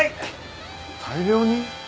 大量に？